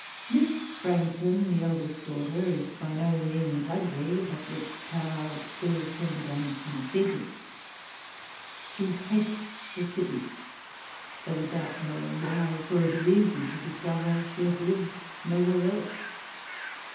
Miss Branghton, the eldest daughter, is by no means ugly; but looks proud, ill tempered, and conceited. She hates the city, though without knowing why; for it is easy to discover she has lived nowhere else.